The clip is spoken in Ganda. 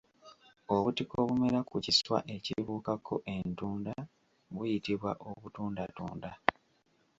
Obutiko obumera ku kiswa ekibuukako entunda buyitibwa obutundatunda.